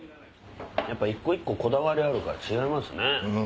一個一個こだわりあるから違いますね。